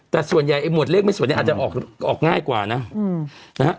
แต่ส่วนใหญ่ไอ้หวดเลขไม่สวยเนี่ยอาจจะออกง่ายกว่านะนะฮะ